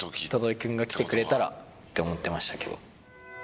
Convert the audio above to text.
轟君が来てくれたらって思ってましたけど。